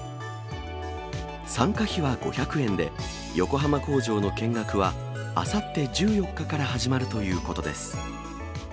参加費は５００円で、横浜工場の見学は、あさって１４日から始まるということです。